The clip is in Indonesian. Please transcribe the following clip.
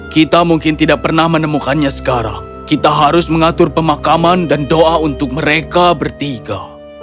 kita mungkin tidak pernah menemukannya sekarang kita harus mengatur pemakaman dan doa untuk mereka bertiga